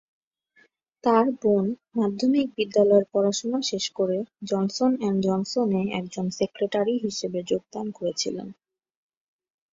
তাঁর বোন মাধ্যমিক বিদ্যালয়ের পড়াশোনা শেষ করে জনসন অ্যান্ড জনসন-এ একজন সেক্রেটারি হিসাবে যোগদান করেছিলেন।